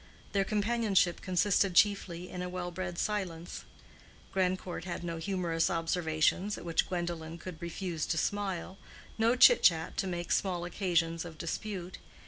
Their companionship consisted chiefly in a well bred silence. Grandcourt had no humorous observations at which Gwendolen could refuse to smile, no chit chat to make small occasions of dispute.